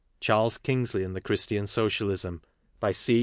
Charles Kingsley and Christian Socialism, By C.